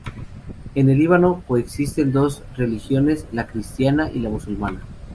En el Líbano coexisten dos religiones: la cristiana y la musulmana.